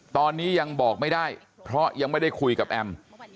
ตอนนี้ยังบอกไม่ได้เพราะยังไม่ได้คุยกับแอม